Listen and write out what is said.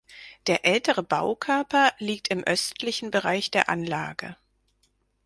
Der ältere Baukörper liegt im östlichen Bereich der Anlage.